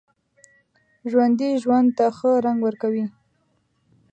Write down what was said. ژوندي ژوند ته ښه رنګ ورکوي